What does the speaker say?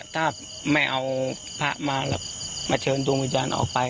ถ้าไม่เอาพระมาแล้วมาเชิญตัวมือจานออกไป